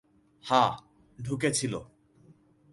হা, ঢুকেছিল।